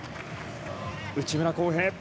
内村航平